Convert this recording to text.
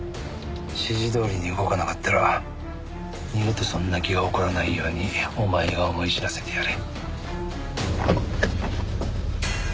指示どおりに動かなかったら二度とそんな気が起こらないようにお前が思い知らせてやれ。